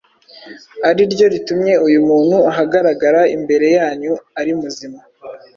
ari ryo ritumye uyu muntu ahagarara imbere yanyu ari muzima.